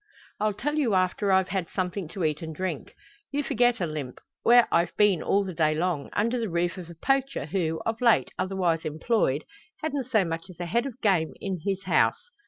"I'll tell you after I've had something to eat and drink. You forget, Olympe, where I've been all the day long under the roof of a poacher, who, of late otherwise employed, hadn't so much as a head of game in his house.